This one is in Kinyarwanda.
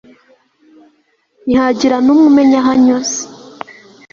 ntihagira n'umwe umenya aho unyuze